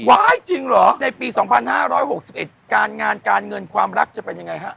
ว้ายจริงเหรอในปีสองพันห้าร้อยหกสิบเอ็ดการงานการเงินความรักจะเป็นยังไงฮะ